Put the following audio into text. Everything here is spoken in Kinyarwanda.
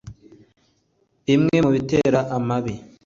Bimwe mu bitera Amibe :